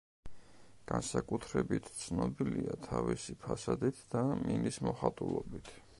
განსაკუთრებით ცნობილია თავისი ფასადით და მინის მოხატულობით.